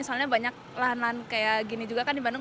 soalnya banyak lahan lahan kayak gini juga kan di bandung